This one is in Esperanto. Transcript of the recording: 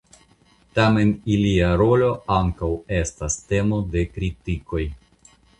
Tamen ilia rolo ankaŭ estas temo de kritikoj.